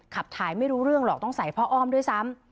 ขับถ่ายไม่รู้เรื่องหรอกต้องใส่พ่ออ้อมด้วยซ้ำ